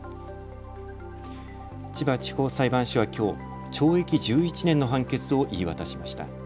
千葉地方裁判所はきょう懲役１１年の判決を言い渡しました。